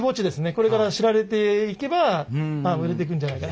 これから知られていけば売れてくんじゃないかなっていう形で。